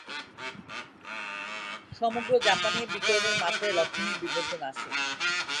সমগ্র জাপানে বিকিরণের মাত্রায় লক্ষ্যণীয় বিবর্ধন আসে।